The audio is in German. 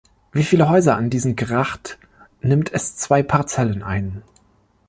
Wie viele Häuser an diesen Gracht nimmt es zwei Parzellen ein.